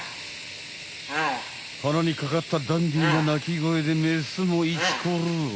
鼻にかかったダンディーななきごえでメスもイチコロ。